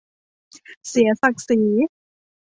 เสียศักดิ์ศรี